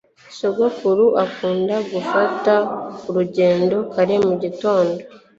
sogokuru akunda gufata urugendo kare mu gitondo